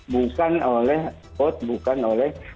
bukan oleh hot bukan oleh